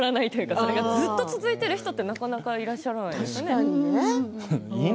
それがずっと続いてる人なかなかいらっしゃらない。